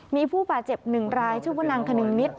มีผู้บาดเจ็บหนึ่งรายชื่อว่านางขนึงมิตร